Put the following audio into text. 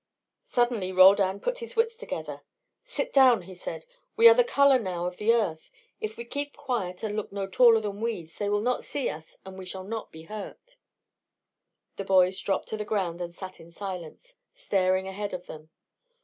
Suddenly Roldan pulled his wits together. "Sit down," he said. "We are the colour now of the earth. If we keep quiet and look no taller than weeds they will not see us and we shall not be hurt." The boys dropped to the ground and sat in silence, staring ahead of them.